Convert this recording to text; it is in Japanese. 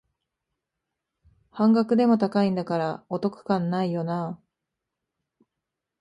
半額でも高いんだからお得感ないよなあ